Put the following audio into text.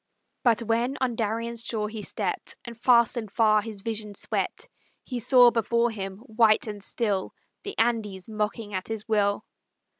But when on Darien's shore he stept, And fast and far his vision swept, He saw before him, white and still, The Andes mocking at his will.